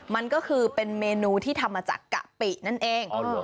มันก็คือเป็นเมนูที่ทำมาจากกะปินั่นเอง